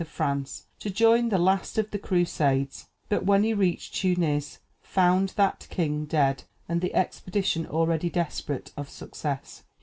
of France, to join the last of the Crusades, but when he reached Tunis, found that king dead, and the expedition already desperate of success.